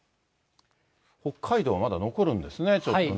北海道はまだ残るんですね、ちょっとね。